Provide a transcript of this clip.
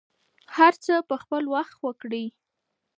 هر څه په خپل وخت وکړئ.